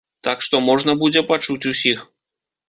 Так што можна будзе пачуць усіх.